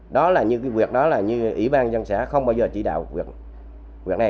đó là như cái việc đó là như ủy ban dân xã không bao giờ chỉ đạo việc này